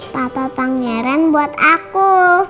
papa pangeran buat aku